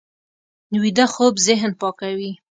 ویده خوب ذهن پاکوي